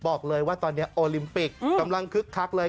บอกเลยว่าตอนนี้โอลิมปิกกำลังคึกคักเลย